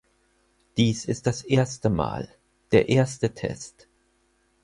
Dies ist das erste Mal, der erste Test.